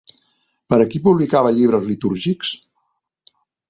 Per a qui publicava llibres litúrgics?